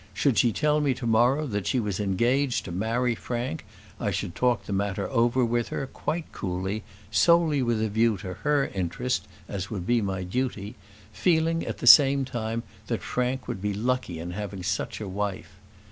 Should she tell me to morrow that she was engaged to marry Frank, I should talk the matter over with her, quite coolly, solely with a view to her interest, as would be my duty; feeling, at the same time, that Frank would be lucky in having such a wife.